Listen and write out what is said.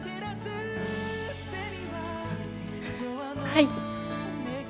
はい。